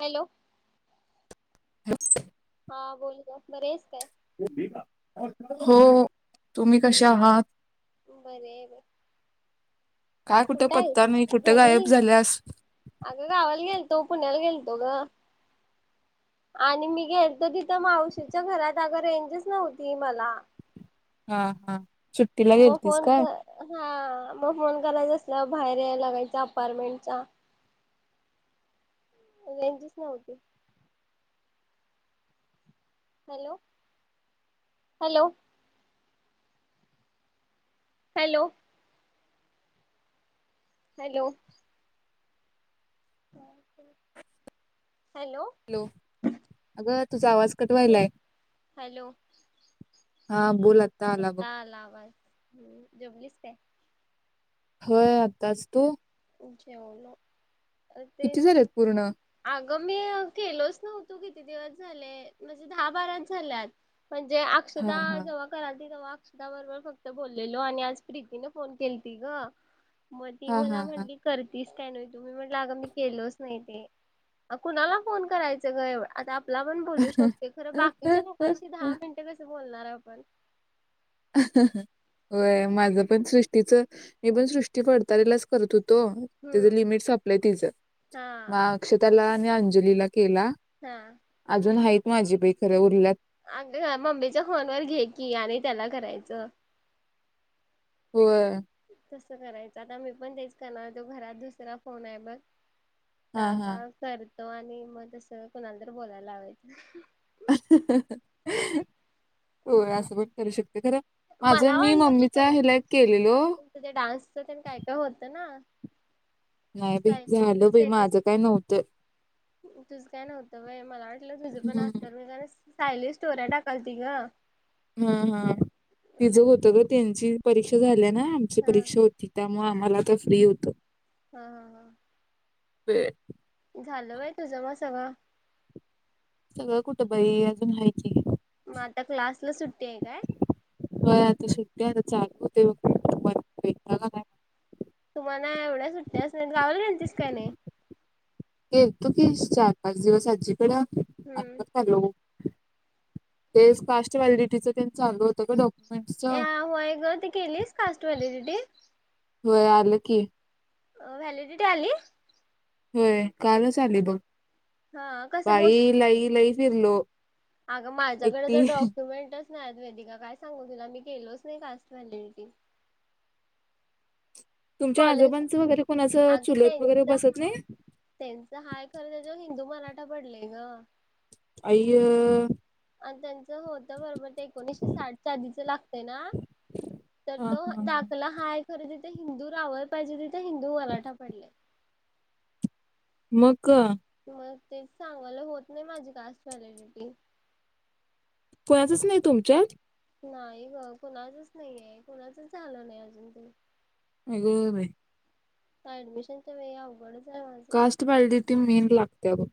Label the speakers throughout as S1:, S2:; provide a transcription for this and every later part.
S1: Hello.
S2: हच [unintelligible]
S1: हा बोल ग बरी हाईस काय.
S2: हो तुम्ही कसे आहात.
S1: बरी आहे बघं.
S2: काय कुठं पत्ता नाही, कुठं गायब
S1: घरी
S2: झाल्यास.
S1: तवा पुण्याला गेलतो गं. आणि मी गेलेतो तिथं मावशीच्या घरात अगं रेंजच नव्हती मला.
S2: हां हां.
S1: म फोन क हां मग फोन करायचं अस ल बाहेर याय लागायचं अपारमेंटचा रेंजच नव्हती. Hello? Hello? Hello? Hello? [inaudible]
S2: Hello? अगं, तुझा आवाज कट व्हायलाय.
S1: हॅलो हॅलो
S2: हां बोल आता आला बघ.
S1: हो जेवलीस काय?
S2: होय आत्ताच तू?
S1: जेवलो. अ तेच
S2: किती झालेत पूर्ण?
S1: [unintelligible] अगं मी केलोच नव्हतो किती दिवस झाले म्हणजे दहा बाराच झाल्यात. म्हणजे
S2: हा
S1: अक्षता
S2: हा.
S1: जेव्हा कराली तेव्हा अक्षता बरोबर फक्त बोललेलो आणि आज प्रीतीने फोन केलती गं. म ती
S2: हा
S1: मला
S2: हा
S1: म्हण
S2: हा.
S1: करतीस काय नाही तु? मी म्हंटलं अग मी केलोच नाही ते. कुणाला फोन करायच ग? एव आता तुला पण बोलू शकतोय, खर बाकीच्या लोकांशी दहा मिनट कस बोलणार आपण.
S2: हं हं हं व्हय माझं पण सृष्टीच, मी पण सृष्टी फडतारेलाच करत होत तो. तीच
S1: हम्म
S2: लिमिट सपलय तीच,
S1: हा
S2: म अक्षताला नी अंजलीला केला
S1: हा
S2: अजून हायीत माझी बाई खरं उरल्यात
S1: अग मम्मीच्या फोन वर घे की आणि त्याला करायचं.
S2: व्हय
S1: तस करायच आता मी पण तेच करणार होतो. घरात दुसरा फोन आहे बघ
S2: हां, हां.
S1: [unintelligible] तो आणि म तस कुणाला तर बोलायला लावायचं.
S2: व्हय असं पण करू शकते खरं माझं
S1: मला
S2: मी
S1: वाटलं तू
S2: मम्मीच्या
S1: करत
S2: ह्याला
S1: असशील,
S2: केलेलो.
S1: कारण तु डान्सच तेन काय काय होतं हां
S2: नाही बाई
S1: सायलीच
S2: झालं बाई
S1: स्टेटस
S2: माझं काय नव्हतं.
S1: तुझं काय नव्हतं व्हय, मला वाटलं तुझ पण
S2: हं,
S1: असल सायली स्टोऱ्या टाकालती ग-
S2: हम् हम् तिचं होतं ग त्यांची परीक्षा झाल्या नाही आमची
S1: हा
S2: परीक्षा होती त्यामुळ आम्हा मला तर फ्री होत.
S1: हा हा हा
S2: [unintelligible]
S1: झालं बाई तुझं म सगळं.
S2: सगळं कुठं बाई अजून हाय की.
S1: म आता क्लासला सुट् ते काय?
S2: व्हय आता सुट्या चालू होतय बग. भेटला का नाय?
S1: तुम्हाला एवढ्या सुट्ट्या असुन गावाला गेलतीस का नाही?
S2: गेलतो की चार पाच दिवस आजी इकडं
S1: हम्म
S2: आताच आलो.
S1: हम्म
S2: तेच कास्ट व्हॅलिडिटीच तेच चालु होते ग डॉक
S1: या व्हय ग, ती केलीस कास्ट व्हॅलिडिटी?
S2: व्हय आलं की.
S1: अ व्हीलिडिटी आली.
S2: होय कालच आली बघ.
S1: हा
S2: बाई लई लई फिरलो.
S1: अग माझ्याकडे
S2: एकटी
S1: जर डॉक्युमेंट नाहिच वेदिका काय सांगू तुला मी केलोच नाही कास्ट व्हॅलिडिटी.
S2: तुमच्या
S1: कॉलेज,
S2: आजोबांचं वगैरे कोणाचं
S1: अग
S2: चुलत वगैरे
S1: त्यांच
S2: बसत नाही
S1: हाय. त्यांच हाय खरं, त्यांच्या हिंदू मराठा पडलय ग.
S2: अय य्य.
S1: आणि त्यांच होत बरोबर ते, एकोणीशे साठच्या आधीच लागतय ना, तर
S2: हा
S1: तो
S2: हा
S1: दाखला हाय खर ते ते हिंदू लावाय पाहिजे होतीत. ते हिंदू मराठा पडलय.
S2: मग ग.
S1: मग तेच सांगायलोय, होत नाही माझी कास्ट व्हॅलीडिटी.
S2: कोणाचच नाही तुमच्यात?
S1: नाही ग कुणाचच नाहीये? कुणाचच झालं नाही अजून ते?
S2: आग बाई
S1: अ ऍडमिशनच्या वेळी अवघडच हाय.
S2: कास्ट व्हॅलिडिटी मेन लागत्या बघ.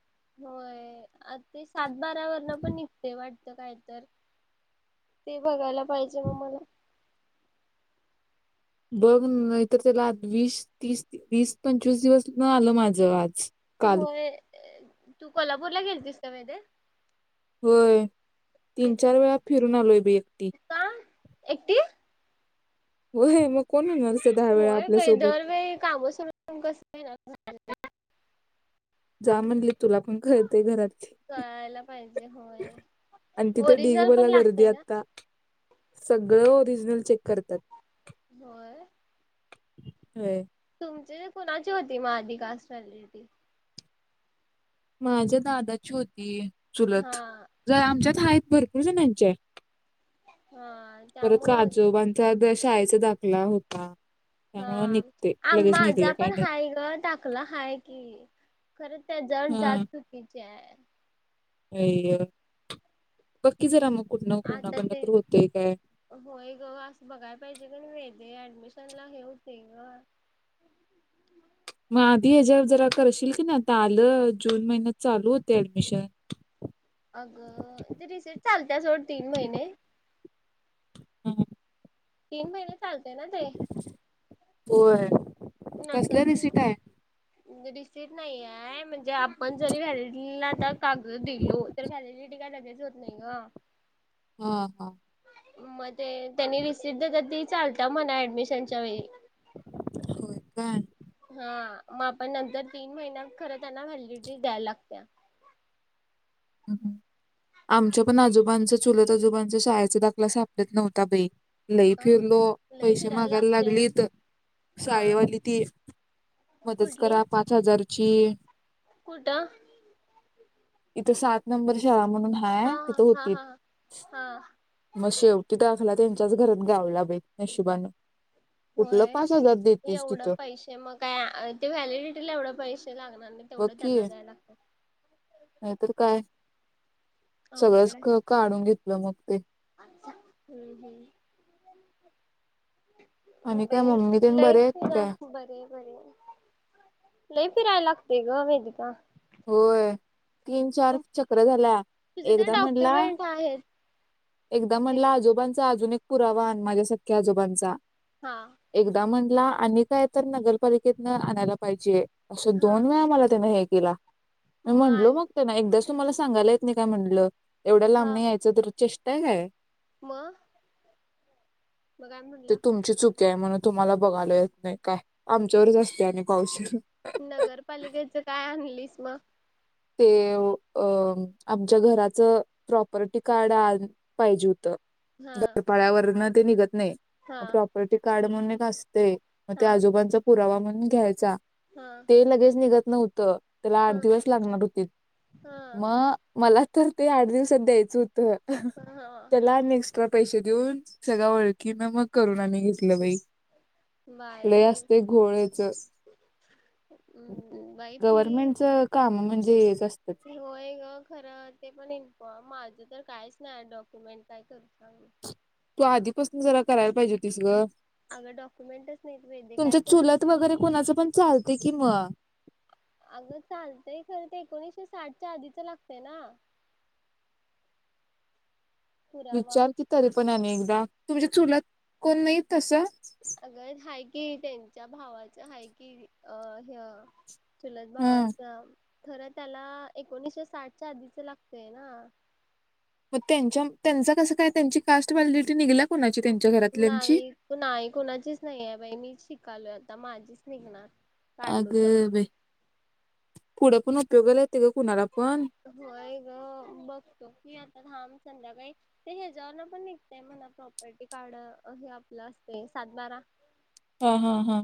S1: होय आ ते साथी दारावरनं पण निघते वाट त काय तर ते बघायला पाहिजे म मला.
S2: बघ नाहीतर तुला आद वीस तीस वीस पंचवीस दिवस न आलं माझं आज. काल
S1: होय. ए तू कोल्हापूरला गेलतीस का वेदे?
S2: होय तीन
S1: तिथं
S2: चार वेळा फिरून आलोय बाई एकटी.
S1: का एकटी?
S2: होय मग कोण
S1: [unintelligible]
S2: येणार असं दहा वेळा
S1: होय बाई
S2: आपल्यासोबत
S1: दरवेळी काम सोडून कसं येणार? [inaudible]
S2: जा म्हणली तुला पण कळतंय घरातली
S1: कळायला पाहिजे होय
S2: आणि तिथं ढिग
S1: ओरिजिनल पण
S2: भरल्या गर्दी
S1: लागतय ना
S2: आता सगळं हो ओरिजनल चेक करतात.
S1: होय
S2: होय.
S1: म्हणजे कोणाची होती म आधी कास्ट व्हॅलिडिटी?
S2: माझ्या दादाची होती. चुलत
S1: हा
S2: जरा आमच्यात हायेत. भरपूर जणांच्या हाय.
S1: हा
S2: परत का
S1: त्यामुळे होत
S2: आजोबांचा दशा दाखला होता. त्यामुळे
S1: हां
S2: निघते
S1: आ
S2: लगेच
S1: माझा
S2: निघलं काय
S1: पण
S2: नाही.
S1: हाय ग टाकलं हाय कि, खरं ते जण जात चुकीचे हायं.
S2: हे य बघ की जरा मग कुठनं
S1: आता
S2: कुणाकडनं
S1: ते
S2: तर होतय काय.
S1: होय ग असं बघायला पाहिजे कनाय वेट ते ऍडमिशनला हे होतंय ग
S2: मग आधी ह्याच्यावर जरा करशील की नाय आता आलं जून महिन्यात चालू होतय ऍडमिशन.
S1: अगं ती रिसिट चालत्या सोड तीन महिने तीन महिने चालते ना ते
S2: होय.
S1: नंतर
S2: कसल्या रिसिट आहे
S1: दिलं रिसिट नाहीये म्हण जे आपण जरी व्हॅलिडिटीला आता कागद दिलो, तर व्हॅलिडिटी काय लगेच होत नाही ग
S2: हा हा
S1: म ते त्यांनी रसिट देतात ती चालता म्हणा ऍडमिशनच्या वेळी
S2: हं
S1: हा म आपण नंतर तीन महिन्यात खर त्यांना व्हॅलिडिटी द्यायला लागत्याया
S2: हम् आमच्या पण आजोबांचं, चुलत आजोबांचा शाळेचा दाखला सापडत नव्हता बई- लई
S1: अ
S2: फिरलो,
S1: लय
S2: पैसे
S1: फिरायला
S2: मागायला
S1: लागते
S2: लागलीत
S1: हा
S2: शाळेवाली ती मदत
S1: कुठली
S2: करा पाच हजारची
S1: कुठं
S2: त सात नंबर शाळा म्हणून
S1: हा
S2: हाय तिथं,
S1: हा
S2: होतीत
S1: हा हा
S2: मग शेवटी दाखला त्यानं च्याच घरत गावला बाई नशिबाानं
S1: होय, एवढं
S2: तिथं
S1: पैसे मग काय ते व्हॅलिडिटीला एवढं पैसे लागणार नाय
S2: बघ की नाय तर काय सगळंच क काढूनं घेत ल मग ते
S1: हूं हूं
S2: आणि काय
S1: बई
S2: मम्मी तेन
S1: लय
S2: बरे आहेत काय
S1: [unintelligible] बरी ये बरी ये लय फिराय लागतय ग वेदिका
S2: होय. तीन चार चक्रा झाल्या
S1: तुझे ते
S2: एकदा म्हटंला,
S1: डॉक्युमेंट आहेत
S2: एकदा म्हटंला
S1: एक
S2: आजोबांचा अजून एक पुरावा आन माझ्या सख्या आजोबांचा
S1: हा
S2: एकदा म्हण आणि काय तर नगरपालिकेतन आणायला पाहिजे. अंस
S1: हा
S2: दोन वेळा झालं त्यान हे केला मी म्हटलो मग त्यांना एकदाच तुम्हाला सांगायला येत मी काय म्हणलं एवढ्या
S1: हा
S2: लांबणी यायचं तर- चेष्टाय काय.
S1: मग मग काय म्हटलं
S2: य म्हणून तुम्हाला बघायला येत नाही काय आमच्यावरच असते आणि पावशीर
S1: म.
S2: ते अ आमच्या घराच प्रॉपर्टी कार्ड पाहिजे होतं
S1: हा
S2: डपाळ्यावरन ते निघत नाही
S1: हा
S2: प्रॉपर्टी कार्ड [unintelligible] ते मग ते
S1: हा
S2: आजोबांचा पुरावा म्हण घ्यायचा
S1: हा
S2: ते लगेच निघत नव्हतं त्याला आठ
S1: हा
S2: दिवस लागणार होती
S1: हा
S2: म मला तर ते आठ दिवसात द्यायचं होत त
S1: हा
S2: त्याला नेक्स्ट त पैसे देऊन सगळ ओळखी म मग करून आम्ही घेतलं बाई. लय
S1: बाई
S2: असते घोळच
S1: बाई.
S2: गव्हर्नमेंटच काम म्हणजे असतात.
S1: ते होय ग खरा ते पण एक म माझं तर काहीच नाही डॉक्युमेंट काय करू सांग.
S2: तू आधीपासून जरा करायला पाहिजे होतीस गं
S1: अगं डॉक्युमेंटच नाही वेद्य काय करणार.
S2: ते की म
S1: अगं चालतंय खर ते एकोणीशे साठच्या आधीच लागतेय ना पुरावा
S2: विचार की तरी पण आणि एकदा तुमच्या चुलात कोण नाही तसं
S1: कि त्यांच्या भावाच आहे कि अ हे चुलत
S2: हा
S1: भावायचं खरं त्याला एकोणीसशे साठच्या आधीच लागतय ना
S2: मग त्यांचा त्यांचा कसं काय त्यांची कास्ट व्हॅलिडीटी निघल्या कोणा
S1: नाही नाही कोणाचीच नाही आहे बाई मी शिकालो माझीच निघणार
S2: अग
S1: काढलो तर
S2: बाई पुढे पण उपयोगाला ग कुणाला पण
S1: होय ग बघतो की आता थाम संध्याकाळी ते ह्याच्यावर पण निघतेय म्हणा प्रॉपर्टी कार्ड हे आपलं असते सात बारा.
S2: हा हा हा.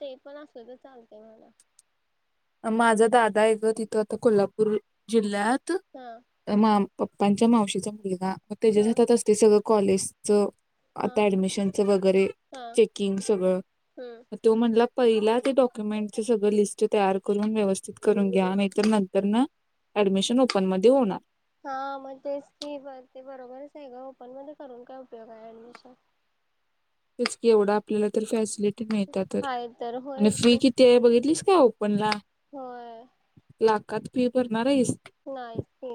S1: ते पण असल तर चालतय म्हना.
S2: माझा दादा आहे गं तिथं आता कोल्हापूर जिल्ह्यात
S1: हा
S2: तर मा पप्पांच्या मावशीचा मुलगा. मग त्याच्या
S1: हा
S2: हातात असतय सगळं. कॉलेज
S1: हा
S2: आता ऍडमिशनच वगैरे
S1: हा
S2: चेकिंग सगळं
S1: हम्म
S2: तो म्हणला पहिल्या ते डॉक्युमेंट सगळ लिस्ट तयार करून व्यवस्थित करून घ्या नाहीतर नंतर ना ऍडमिशन ओपन मध्ये होणार.
S1: हा मग तेच की ब ते बरोबरच आहे ग ओपन मध्ये करून काय उपयोग आहे ऍडमिशन?
S2: तेच की एवढं आपल्याला तर फॅसिलि मिळतीया तर
S1: हाय तर
S2: आणि
S1: होयच
S2: फी
S1: की
S2: किती आहे बघितलीस? ओपन ला
S1: होय.
S2: लाखात फी भरणार आहेस?
S1: नाहीच की.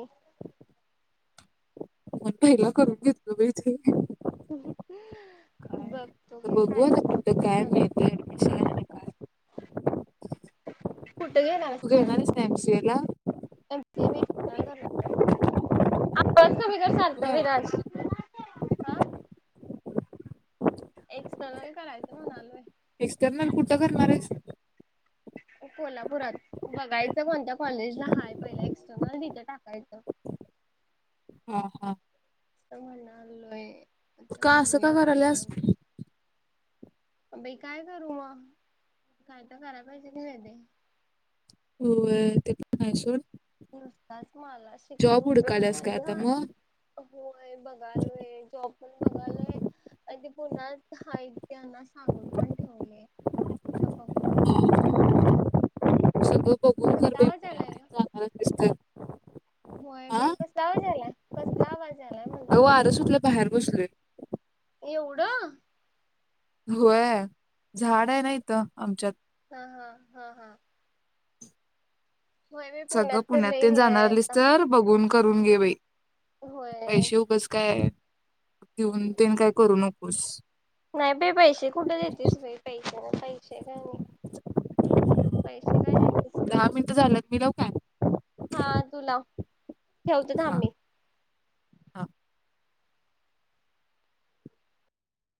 S2: मणला करून घेत ग बी इथे
S1: बघतो
S2: तर
S1: की
S2: बघू
S1: काय
S2: आता
S1: काय
S2: कुठं काय
S1: हुतय
S2: मिळतं ऍडमिशन
S1: उम
S2: आणि काय
S1: कुठे घेणार
S2: तू
S1: आहेस
S2: ना एमसीए ला
S1: एम सी ए मी एक्स्टर्नल करणारे. आवाज कमी कर सारखं
S2: होय
S1: विराज. हा एक्सटर्नल करायचं म्हणालोय.
S2: एक्स्टर्नल कुठं करणारेस?
S1: कोल्हापुरात बघायच कोणत्या कॉलेजला हाय पहिले एक्सटर्नल तिथे टाकायचं.
S2: ह ह.
S1: स मनालोय.
S2: का असं का कराल्यास?
S1: बाई काय करू मग काय तर करायला पाहिजे का नाही ते.
S2: हो ते पण हाय सोड.
S1: नसतात. मला शिकवून
S2: जॉब
S1: उपयोग
S2: हुडकाल्यास
S1: नाही
S2: काय
S1: ग
S2: आता
S1: होय बघ बघालोय जॉब पण बघालोय आणि ते पुन्हाह त्यांना सांगून पण ठेवले बघूय.
S2: मग [inaudible]
S1: कस
S2: बाई
S1: आवाज
S2: पुण्यात
S1: आलाय
S2: ते
S1: का?
S2: जाणारच दिसतंय.
S1: होय बाई कसला आवाज आला कसला आवाज? आलाय म्हणलं
S2: अ आरसठलं बाहेर बसलय.
S1: एवढ.
S2: होय झाड आहे नाहीत आमच्यात
S1: हा हा हा हा. होय बाई
S2: सगळं
S1: तर
S2: पुण्यात
S1: लई
S2: ते
S1: हे
S2: जाणार आलीस
S1: आहेत ना
S2: तर बघून. करून घेवेय.
S1: होय.
S2: पैसे उगच काय? घेऊन ते काय करू नक खुश.
S1: नाही बे पैसे खुठ देतस ब पैसे ना पैसे का नाही पैसे काय दयचेस.
S2: मिलव काय
S1: हा तू लाव. ठेवतो ना
S2: हा
S1: आम्ही
S2: हा.